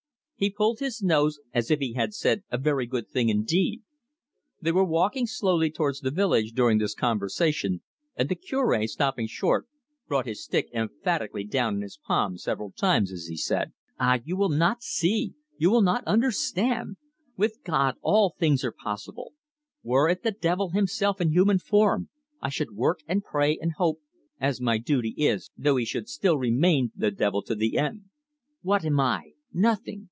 He pulled his nose, as if he had said a very good thing indeed. They were walking slowly towards the village during this conversation, and the Cure, stopping short, brought his stick emphatically down in his palm several times, as he said: "Ah, you will not see! You will not understand. With God all things are possible. Were it the devil himself in human form, I should work and pray and hope, as my duty is, though he should still remain the devil to the end. What am I? Nothing.